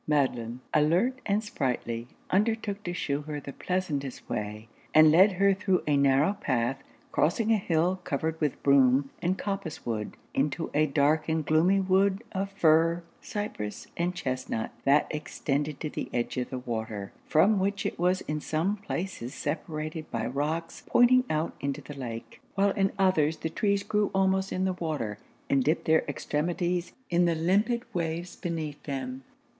Madelon, alert and sprightly, undertook to shew her the pleasantest way, and led her thro' a narrow path crossing a hill covered with broom and coppice wood, into a dark and gloomy wood of fir, cypress, and chestnut, that extended to the edge of the water; from which it was in some places separated by rocks pointing out into the lake, while in others the trees grew almost in the water, and dipped their extremities in the limpid waves beneath them.